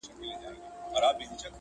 لنډۍ په غزل کي، پنځمه برخه؛